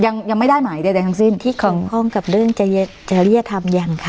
ยังยังไม่ได้หมายใดใดทั้งสิ้นที่คล่องคล่องกับเรื่องจริยธรรมยังค่ะ